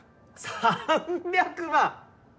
３００万